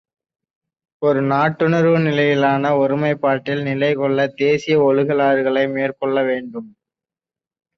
ஒரு நாட்டுணர்வு நிலையிலான ஒருமைப்பாட்டில் நிலை கொள்ள தேசிய ஒழுகலாறுகளை மேற்கொள்ள வேண்டும்.